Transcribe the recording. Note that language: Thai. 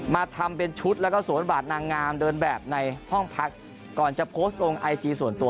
มาทำเป็นชุดแล้วก็สวมบทบาทนางงามเดินแบบในห้องพักก่อนจะโพสต์ลงไอจีส่วนตัว